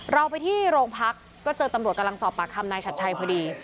เราไปที่โรงพักก็เจอตำรวจกำลังสอบปากคำนายชัดชัยพอดี